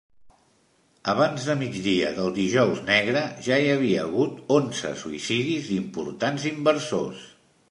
Abans de migdia del Dijous Negre, ja hi havia hagut onze suïcidis d'importants inversors.